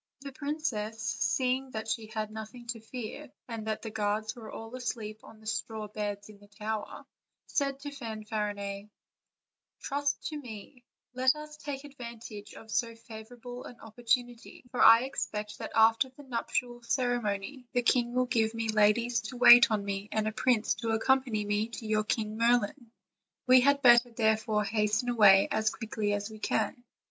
The princess, seeing that she had nothing to fear, and that the guards were all asleep on the straw beds in the tower, said to Fanfarinet: "Trust to me; let us take advantage of so favorable an opportunity; for I expect that after the nuptial ceremony the king will give me ladies to wait on me, and a prince to accompany me to your King Merlin; we had better therefore hasten away as quickly as we can."